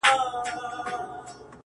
درته دعاوي هر ماښام كومه!!